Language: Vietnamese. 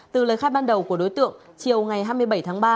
từ lời khai ban đầu của đối tượng chiều ngày hai mươi bảy tháng ba